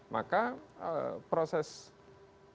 maka proses penanganan itu akan berubah